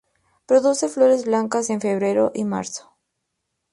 Produce flores blancas en febrero y marzo.